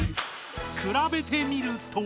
くらべてみると。